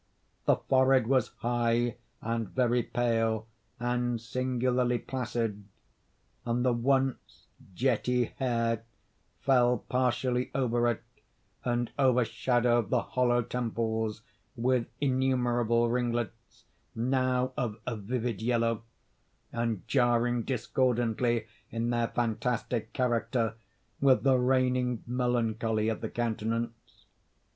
The forehead was high, and very pale, and singularly placid; and the once jetty hair fell partially over it, and overshadowed the hollow temples with innumerable ringlets, now of a vivid yellow, and jarring discordantly, in their fantastic character, with the reigning melancholy of the countenance.